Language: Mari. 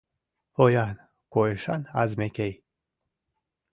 Поян, койышан Азмекей